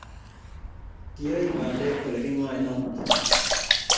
Kiabi bandek ole ki ng'aen amut